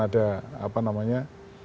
ada apa namanya